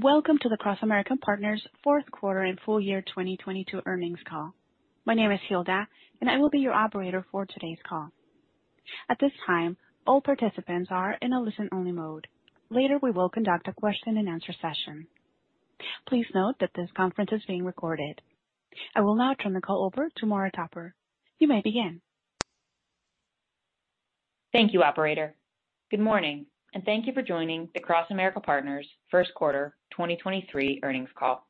Welcome to the CrossAmerica Partners Fourth Quarter and Full Year 2022 Earnings call. My name is Cheryl, and I will be your operator for today's call. At this time, all participants are in a listen-only mode. Later, we will conduct a question-and-answer session. Please note that this conference is being recorded. I will now turn the call over to Maura Topper. You may begin. Thank you, operator. Good morning, thank you for joining the CrossAmerica Partners first quarter 2023 earnings call.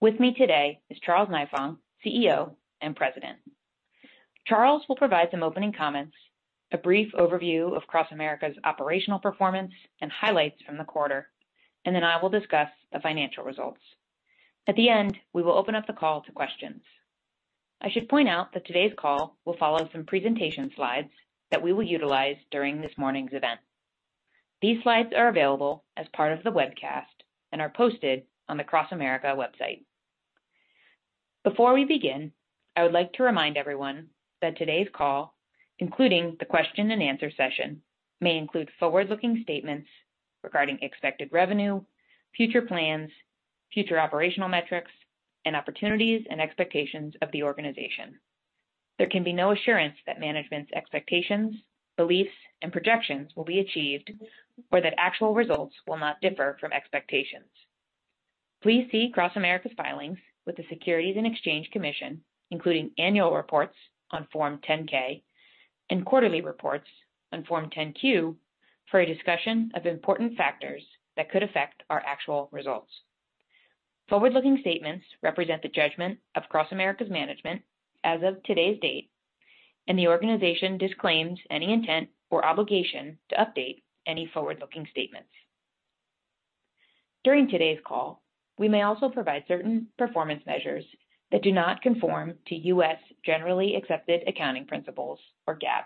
With me today is Charles Nifong, CEO and President. Charles will provide some opening comments, a brief overview of CrossAmerica's operational performance and highlights from the quarter, I will discuss the financial results. At the end, we will open up the call to questions. I should point out that today's call will follow some presentation slides that we will utilize during this morning's event. These slides are available as part of the webcast and are posted on the CrossAmerica website. Before we begin, I would like to remind everyone that today's call, including the question-and-answer session, may include forward-looking statements regarding expected revenue, future plans, future operational metrics, and opportunities and expectations of the organization. There can be no assurance that management's expectations, beliefs, and projections will be achieved or that actual results will not differ from expectations. Please see CrossAmerica's filings with the Securities and Exchange Commission, including annual reports on Form 10-K and quarterly reports on Form 10-Q, for a discussion of important factors that could affect our actual results. Forward-looking statements represent the judgment of CrossAmerica's management as of today's date, and the organization disclaims any intent or obligation to update any forward-looking statements. During today's call, we may also provide certain performance measures that do not conform to U.S. generally accepted accounting principles, or GAAP.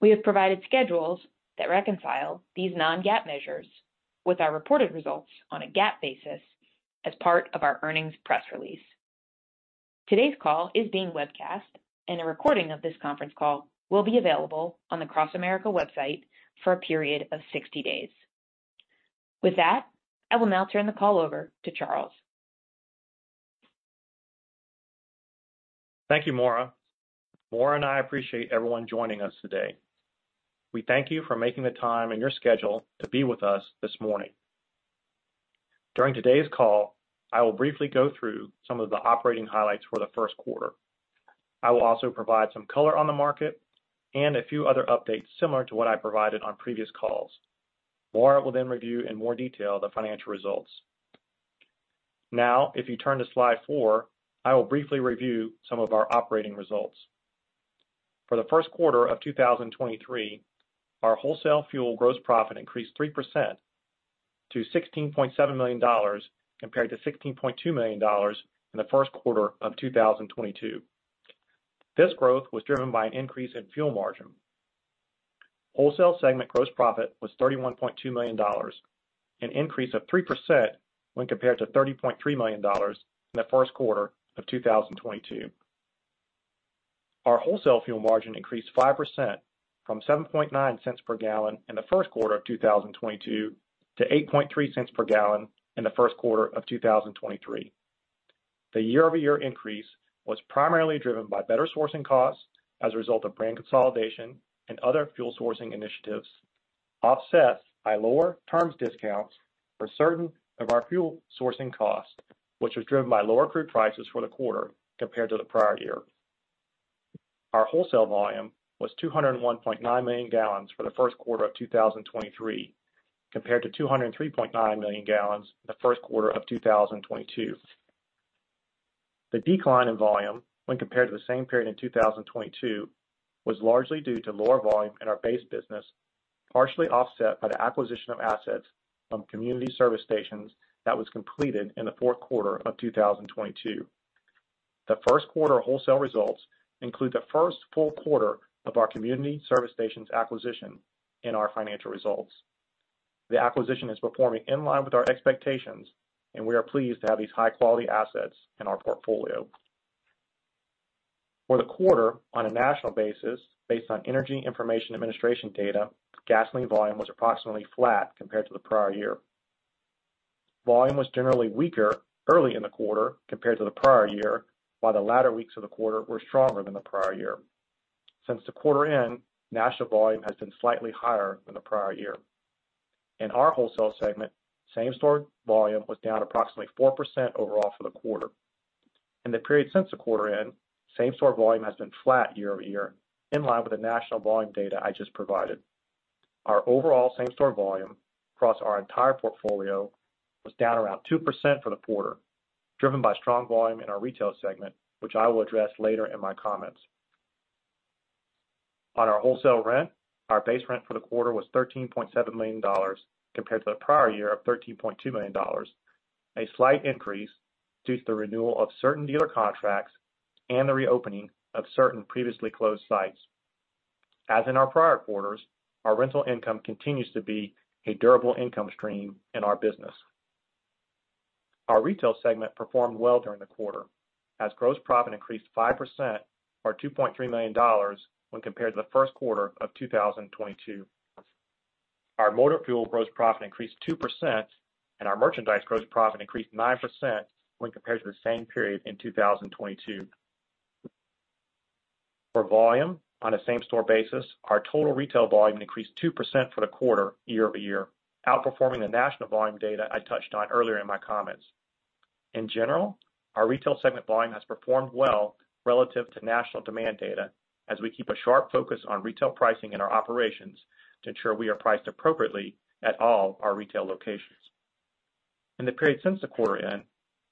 We have provided schedules that reconcile these non-GAAP measures with our reported results on a GAAP basis as part of our earnings press release. Today's call is being webcast. A recording of this conference call will be available on the CrossAmerica website for a period of 60 days. With that, I will now turn the call over to Charles. Thank you, Maura. Maura and I appreciate everyone joining us today. We thank you for making the time in your schedule to be with us this morning. During today's call, I will briefly go through some of the operating highlights for the first quarter. I will also provide some color on the market and a few other updates similar to what I provided on previous calls. Maura will review in more detail the financial results. If you turn to slide four, I will briefly review some of our operating results. For the first quarter of 2023, our wholesale fuel gross profit increased 3% to $16.7 million compared to $16.2 million in the first quarter of 2022. This growth was driven by an increase in fuel margin. Wholesale segment gross profit was $31.2 million, an increase of 3% when compared to $30.3 million in the first quarter of 2022. Our wholesale fuel margin increased 5% from $0.79 per gallon in the first quarter of 2022 to $0.83 per gallon in the first quarter of 2023. The year-over-year increase was primarily driven by better sourcing costs as a result of brand consolidation and other fuel sourcing initiatives, offset by lower terms discounts for certain of our fuel sourcing costs, which was driven by lower crude prices for the quarter compared to the prior year. Our wholesale volume was 201.9 million gallons for the first quarter of 2023, compared to 203.9 million gallons in the first quarter of 2022. The decline in volume when compared to the same period in 2022 was largely due to lower volume in our base business, partially offset by the acquisition of assets from Community Service Stations that was completed in the fourth quarter of 2022. The first quarter wholesale results include the first full quarter of our Community Service Stations acquisition in our financial results. The acquisition is performing in line with our expectations, and we are pleased to have these high-quality assets in our portfolio. For the quarter, on a national basis, based on Energy Information Administration data, gasoline volume was approximately flat compared to the prior year. Volume was generally weaker early in the quarter compared to the prior year, while the latter weeks of the quarter were stronger than the prior year. Since the quarter end, national volume has been slightly higher than the prior year. In our wholesale segment, same-store volume was down approximately 4% overall for the quarter. In the period since the quarter end, same-store volume has been flat year-over-year, in line with the national volume data I just provided. Our overall same-store volume across our entire portfolio was down around 2% for the quarter, driven by strong volume in our retail segment, which I will address later in my comments. On our wholesale rent, our base rent for the quarter was $13.7 million, compared to the prior year of $13.2 million, a slight increase due to the renewal of certain dealer contracts and the reopening of certain previously closed sites. As in our prior quarters, our rental income continues to be a durable income stream in our business. Our retail segment performed well during the quarter as gross profit increased 5% or $2.3 million when compared to the first quarter of 2022. Our motor fuel gross profit increased 2% and our merchandise gross profit increased 9% when compared to the same period in 2022. For volume on a same-store basis, our total retail volume increased 2% for the quarter year-over-year, outperforming the national volume data I touched on earlier in my comments. In general, our retail segment volume has performed well relative to national demand data as we keep a sharp focus on retail pricing in our operations to ensure we are priced appropriately at all our retail locations. In the period since the quarter end,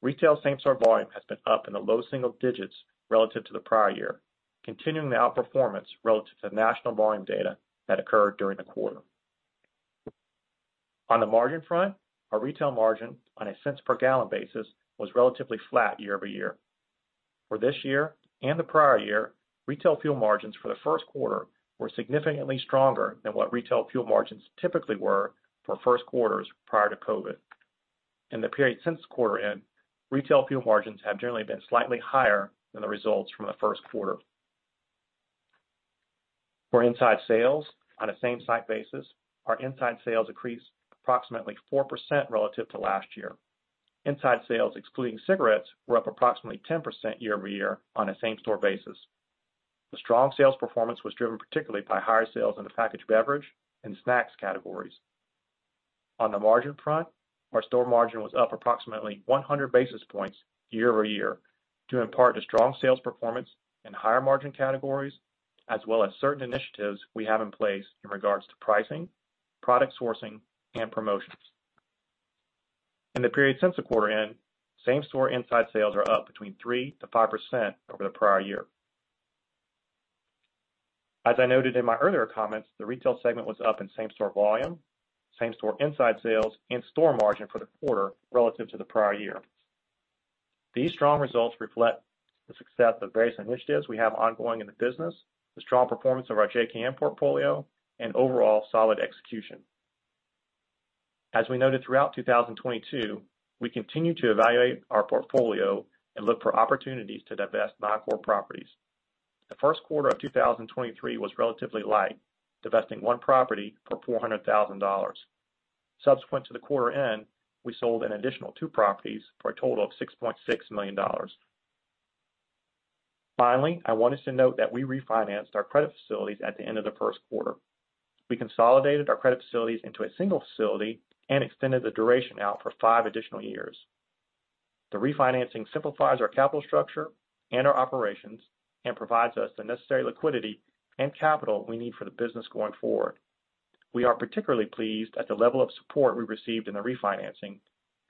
retail same-store volume has been up in the low single digits relative to the prior year, continuing the outperformance relative to national volume data that occurred during the quarter. On the margin front, our retail margin on a cents per gallon basis was relatively flat year-over-year. For this year and the prior year, retail fuel margins for the first quarter were significantly stronger than what retail fuel margins typically were for first quarters prior to COVID. In the period since the quarter end, retail fuel margins have generally been slightly higher than the results from the first quarter. For inside sales on a same-store basis, our inside sales increased approximately 4% relative to last year. Inside sales, excluding cigarettes, were up approximately 10% year-over-year on a same-store basis. The strong sales performance was driven particularly by higher sales in the packaged beverage and snacks categories. On the margin front, our store margin was up approximately 100 basis points year-over-year to impart the strong sales performance in higher margin categories as well as certain initiatives we have in place in regards to pricing, product sourcing, and promotions. In the period since the quarter end, same-store inside sales are up between 3%-5% over the prior year. As I noted in my earlier comments, the retail segment was up in same-store volume, same-store inside sales and store margin for the quarter relative to the prior year. These strong results reflect the success of various initiatives we have ongoing in the business, the strong performance of our JKM portfolio and overall solid execution. As we noted throughout 2022, we continue to evaluate our portfolio and look for opportunities to divest non-core properties. The first quarter of 2023 was relatively light, divesting one property for $400,000. Subsequent to the quarter end, we sold an additional two properties for a total of $6.6 million. Finally, I want us to note that we refinanced our credit facilities at the end of the first quarter. We consolidated our credit facilities into a single facility and extended the duration out for five additional years. The refinancing simplifies our capital structure and our operations and provides us the necessary liquidity and capital we need for the business going forward. We are particularly pleased at the level of support we received in the refinancing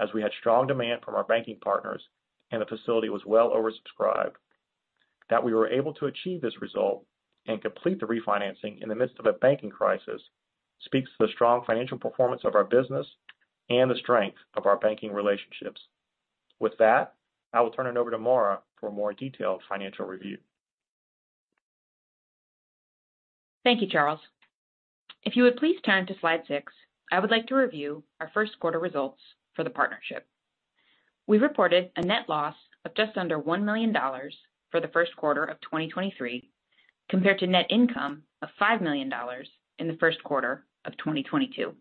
as we had strong demand from our banking partners and the facility was well oversubscribed. That we were able to achieve this result and complete the refinancing in the midst of a banking crisis speaks to the strong financial performance of our business and the strength of our banking relationships. With that, I will turn it over to Maura for a more detailed financial review. Thank you, Charles. If you would please turn to slide six, I would like to review our first quarter results for the partnership. We reported a net loss of just under $1 million for the first quarter of 2023, compared to net income of $5 million in the first quarter of 2022.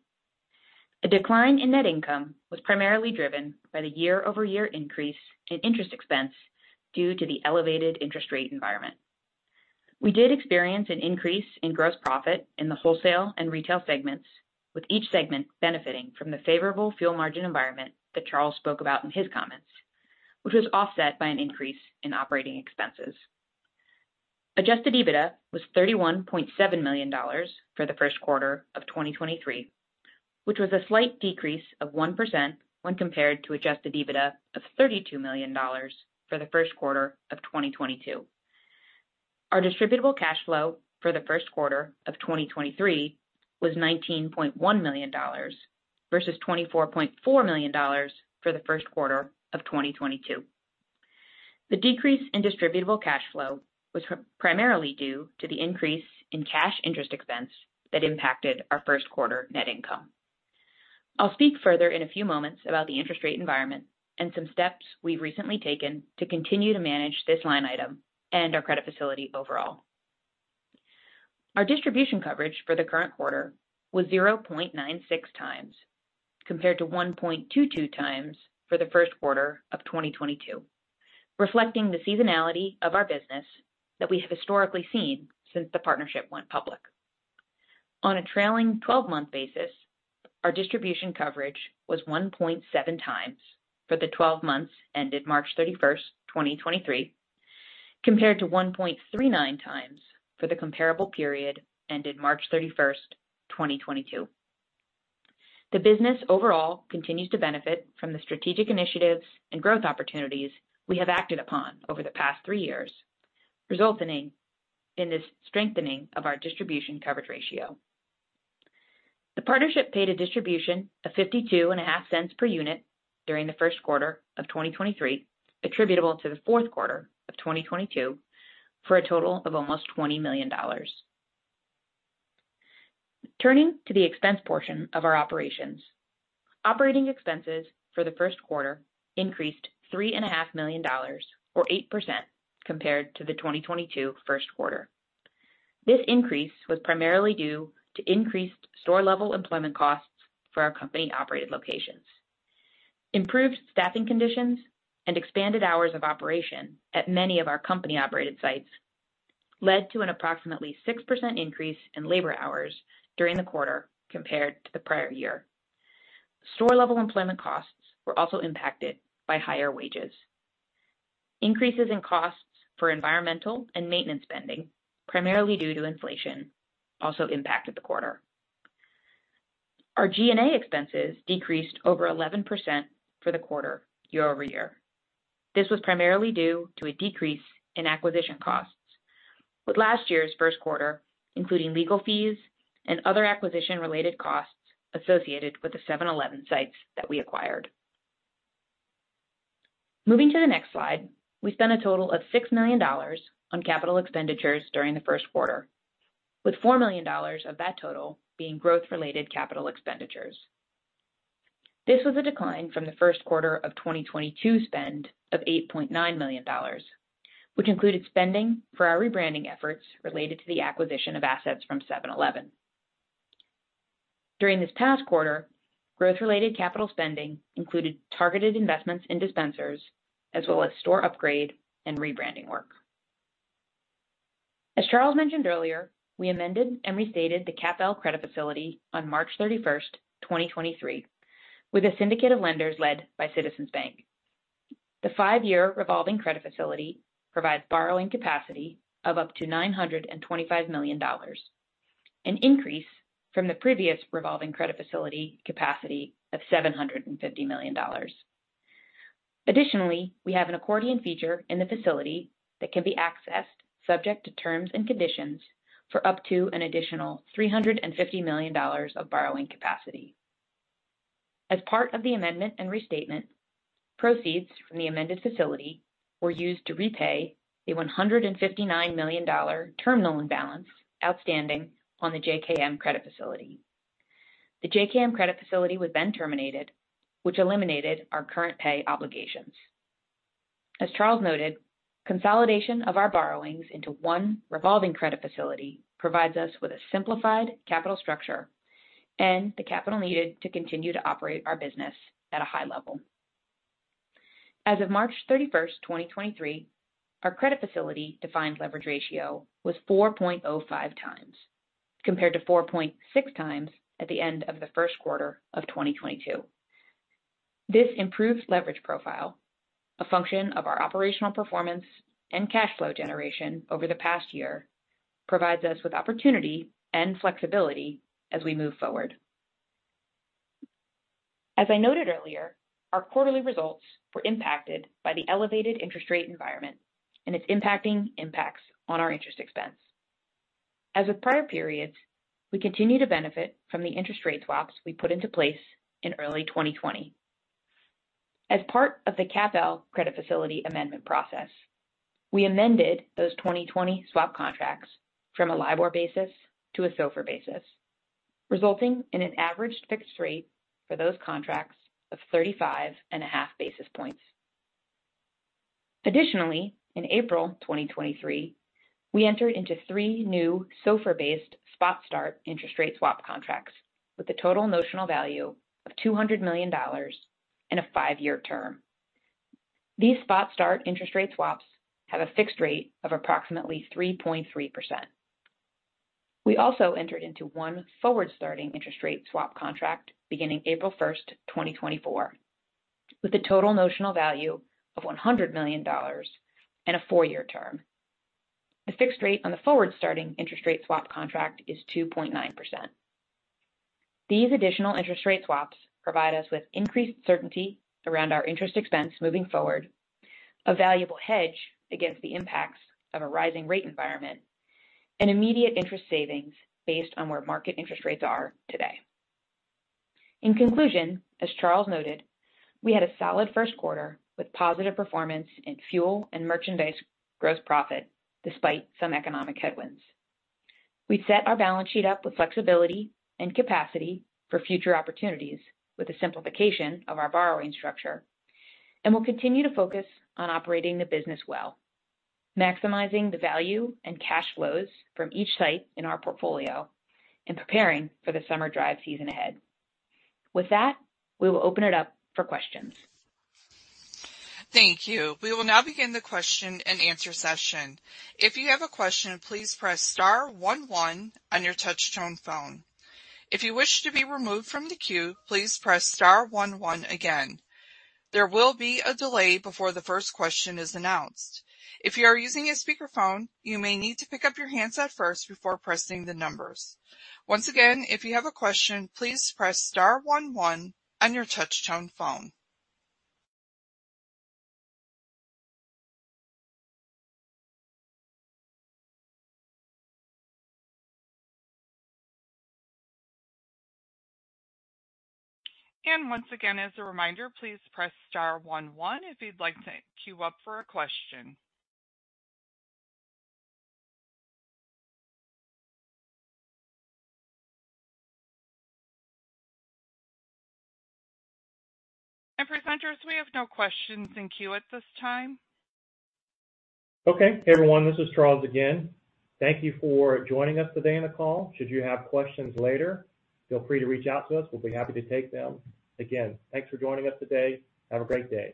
A decline in net income was primarily driven by the year-over-year increase in interest expense due to the elevated interest rate environment. We did experience an increase in gross profit in the wholesale and retail segments, with each segment benefiting from the favorable fuel margin environment that Charles spoke about in his comments, which was offset by an increase in operating expenses. Adjusted EBITDA was $31.7 million for the first quarter of 2023, which was a slight decrease of 1% when compared to Adjusted EBITDA of $32 million for the first quarter of 2022. Our Distributable Cash Flow for the first quarter of 2023 was $19.1 million versus $24.4 million for the first quarter of 2022. The decrease in Distributable Cash Flow was primarily due to the increase in cash interest expense that impacted our first quarter net income. I'll speak further in a few moments about the interest rate environment and some steps we've recently taken to continue to manage this line item and our credit facility overall. Our distribution coverage for the current quarter was 0.96x, compared to 1.22x for the first quarter of 2022, reflecting the seasonality of our business that we have historically seen since the Partnership went public. On a trailing 12-month basis, our distribution coverage was 1.7x for the 12 months ended March 31st, 2023, compared to 1.39x for the comparable period ended March 31st, 2022. The business overall continues to benefit from the strategic initiatives and growth opportunities we have acted upon over the past three years, resulting in this strengthening of our distribution coverage ratio. The partnership paid a distribution of fifty-two and a half cents per unit during the first quarter of 2023, attributable to the fourth quarter of 2022, for a total of almost $20 million. Turning to the expense portion of our operations. Operating expenses for the first quarter increased three and a half million dollars or 8% compared to the 2022 first quarter. This increase was primarily due to increased store-level employment costs for our company-operated locations. Improved staffing conditions and expanded hours of operation at many of our company-operated sites led to an approximately 6% increase in labor hours during the quarter compared to the prior year. Store-level employment costs were also impacted by higher wages. Increases in costs for environmental and maintenance spending, primarily due to inflation, also impacted the quarter. Our G&A expenses decreased over 11% for the quarter year-over-year. This was primarily due to a decrease in acquisition costs, with last year's first quarter, including legal fees and other acquisition-related costs associated with the 7-Eleven sites that we acquired. Moving to the next slide. We spent a total of $6 million on capital expenditures during the first quarter, with $4 million of that total being growth-related capital expenditures. This was a decline from the first quarter of 2022 spend of $8.9 million, which included spending for our rebranding efforts related to the acquisition of assets from 7-Eleven. During this past quarter, growth-related capital spending included targeted investments in dispensers as well as store upgrade and rebranding work. As Charles mentioned earlier, we amended and restated the CAPL credit facility on March 31st, 2023, with a syndicate of lenders led by Citizens Bank. The five-year revolving credit facility provides borrowing capacity of up to $925 million, an increase from the previous revolving credit facility capacity of $750 million. Additionally, we have an accordion feature in the facility that can be accessed subject to terms and conditions for up to an additional $350 million of borrowing capacity. As part of the amendment and restatement, proceeds from the amended facility were used to repay the $159 million term loan balance outstanding on the JKM Credit Facility. The JKM Credit Facility was then terminated, which eliminated our current pay obligations. As Charles noted, consolidation of our borrowings into one revolving credit facility provides us with a simplified capital structure and the capital needed to continue to operate our business at a high level. As of March 31st, 2023, our credit facility defines leverage ratio was 4.05x, compared to 4.6x at the end of the first quarter of 2022. This improves leverage profile, a function of our operational performance and cash flow generation over the past year provides us with opportunity and flexibility as we move forward. As I noted earlier, our quarterly results were impacted by the elevated interest rate environment and its impacting impacts on our interest expense. As with prior periods, we continue to benefit from the interest rate swaps we put into place in early 2020. As part of the CAPL credit facility amendment process, we amended those 2020 swap contracts from a LIBOR basis to a SOFR basis, resulting in an averaged fixed rate for those contracts of 35.5 basis points. Additionally, in April 2023, we entered into three new SOFR-based spot start interest rate swap contracts with a total notional value of $200 million and a five-year term. These spot start interest rate swaps have a fixed rate of approximately 3.3%. We also entered into one forward starting interest rate swap contract beginning April 1, 2024, with a total notional value of $100 million and a four-year term. The fixed rate on the forward starting interest rate swap contract is 2.9%. These additional interest rate swaps provide us with increased certainty around our interest expense moving forward, a valuable hedge against the impacts of a rising rate environment, and immediate interest savings based on where market interest rates are today. In conclusion, as Charles noted, we had a solid first quarter with positive performance in fuel and merchandise gross profit despite some economic headwinds. We've set our balance sheet up with flexibility and capacity for future opportunities with the simplification of our borrowing structure, we'll continue to focus on operating the business well, maximizing the value and cash flows from each site in our portfolio, and preparing for the summer drive season ahead. With that, we will open it up for questions. Thank you. We will now begin the question-and-answer session. If you have a question, please press star one one on your touch-tone phone. If you wish to be removed from the queue, please press star one one again. There will be a delay before the first question is announced. If you are using a speakerphone, you may need to pick up your handset first before pressing the numbers. Once again, if you have a question, please press star one one on your touch-tone phone. Once again, as a reminder, please press star one one if you'd like to queue up for a question. Presenters, we have no questions in queue at this time. Hey, everyone, this is Charles again. Thank you for joining us today on the call. Should you have questions later, feel free to reach out to us. We'll be happy to take them. Again, thanks for joining us today. Have a great day.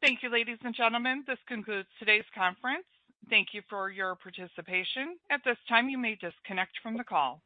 Thank you, ladies and gentlemen. This concludes today's conference. Thank you for your participation. At this time, you may disconnect from the call.